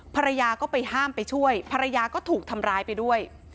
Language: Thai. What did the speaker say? ภรรยาก็ไปห้ามไปช่วยภรรยาก็ถูกทำร้ายไปด้วย